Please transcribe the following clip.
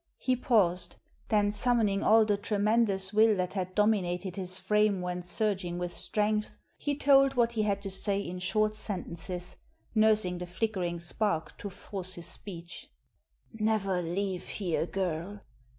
He paused; then summoning all the tremendous will that had dominated his frame when surging with strength, he told what he had to say in short sentences, nursing the flickering spark to force his speech. "Never leave here, girl.